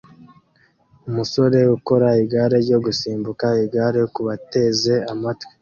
Umusore ukora igare ryo gusimbuka igare kubateze amatwi